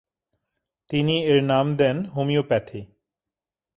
তিনি এর নাম দেন হোমিওপ্যাথি।